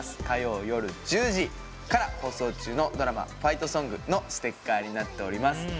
火曜夜１０時から放送中のドラマ「ファイトソング」のステッカーになっております